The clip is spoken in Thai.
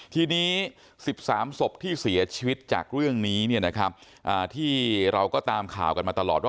ทีนี้๑๓ศพที่เสียชีวิตจากเรื่องนี้เนี่ยนะครับที่เราก็ตามข่าวกันมันตลอด